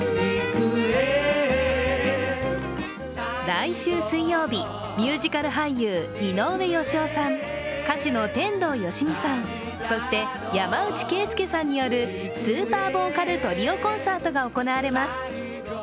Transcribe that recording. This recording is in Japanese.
来週水曜日、ミュージカル俳優・井上芳雄さん、歌手の天童よしみさん、そして山内惠介さんによるスーパー・ボーカル・トリオ・コンサートが行われます。